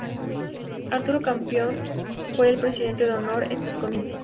Arturo Campión fue el presidente de honor en sus comienzos.